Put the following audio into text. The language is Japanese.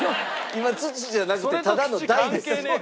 今土じゃなくてただの大です。